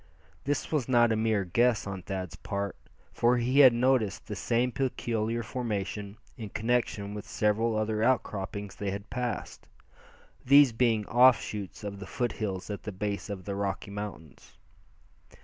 This was not a mere guess on Thad's part, for he had noticed the same peculiar formation in connection with several other outcroppings they had passed, these being off shoots of the foothills at the base of the Rocky Mountains.